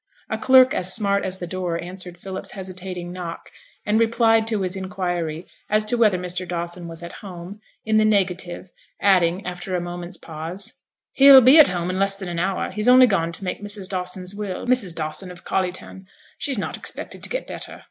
A clerk as smart as the door answered Philip's hesitating knock, and replied to his inquiry as to whether Mr. Dawson was at home, in the negative, adding, after a moment's pause 'He'll be at home in less than an hour; he's only gone to make Mrs Dawson's will Mrs. Dawson, of Collyton she's not expected to get better.'